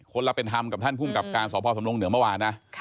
ละเป็นธรรมกับท่านภูมิกับการสพสำรงเหนือเมื่อวานนะ